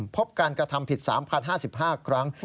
พบการกระทำผิด๓๐๕๕ครั้ง